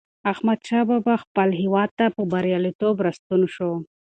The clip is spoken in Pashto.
احمدشاه بابا خپل هېواد ته په بریالیتوب راستون شو.